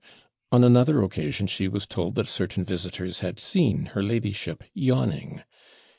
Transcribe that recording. On another occasion she was told that certain visitors had seen her ladyship yawning.